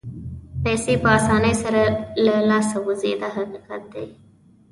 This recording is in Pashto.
پیسې په اسانۍ سره له لاسه وځي دا حقیقت دی.